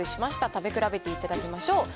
食べ比べていただきましょう。